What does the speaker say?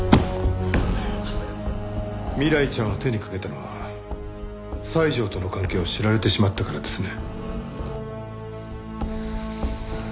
未来ちゃんを手にかけたのは西條との関係を知られてしまったからですね。